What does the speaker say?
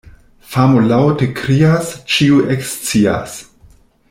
Famo laŭte krias, ĉiuj ekscias.